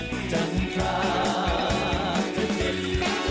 จะเด็ดจันทราจะเด็ดจะเด็ดจันทรา